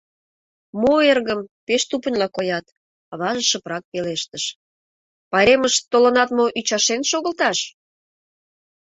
— Мо, эргым, пеш тупыньла коят, — аваже шыпрак пелештыш, — пайремыш толынат мо ӱчашен шогылташ?